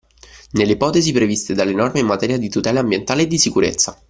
Nelle ipotesi previste dalle norme in materia di tutela ambientale e di sicurezza